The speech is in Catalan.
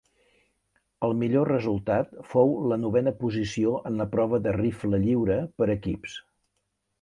El millor resultat fou la novena posició en la prova de rifle lliure per equips.